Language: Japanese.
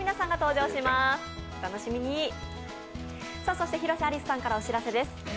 そして広瀬アリスさんからお知らせです。